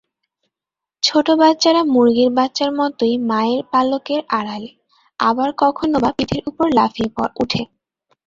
ছোট বাচ্চারা মুরগির বাচ্চার মতই মায়ের পালকের আড়ালে, আবার কখনোবা পিঠের উপর লাফিয়ে ওঠে।